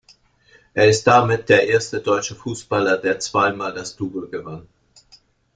Er ist damit der erste deutsche Fußballer, der zwei Mal das Double gewann.